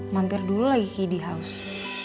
mampir dulu lagi di house